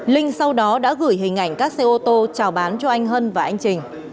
linh sau đó đã gửi hình ảnh các xe ô tô trào bán cho anh hân và anh trình